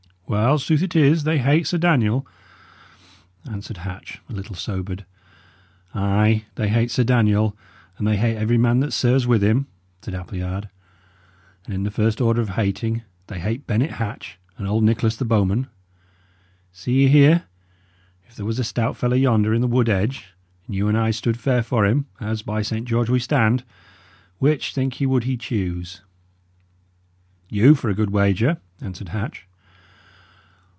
"Well, sooth it is, they hate Sir Daniel," answered Hatch, a little sobered. "Ay, they hate Sir Daniel, and they hate every man that serves with him," said Appleyard; "and in the first order of hating, they hate Bennet Hatch and old Nicholas the bowman. See ye here: if there was a stout fellow yonder in the wood edge, and you and I stood fair for him as, by Saint George, we stand! which, think ye, would he choose?" "You, for a good wager," answered Hatch.